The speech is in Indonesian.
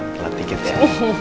lepas dikit ya